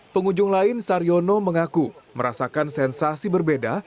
pengunjung lain saryono mengaku merasakan sensasi berbeda